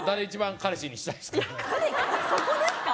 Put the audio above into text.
彼そこですか？